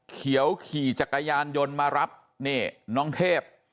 เขียวขี่จักรยานยนต์มารับนี่น้องเทพ